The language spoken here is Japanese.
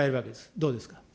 どうですか。